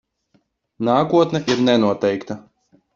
Nākotne ir nenoteikta.